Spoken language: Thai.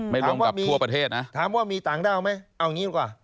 รวมกับทั่วประเทศนะถามว่ามีต่างด้าวไหมเอางี้ดีกว่า